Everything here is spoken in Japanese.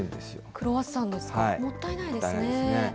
クロワッサンですか、もったいないですね。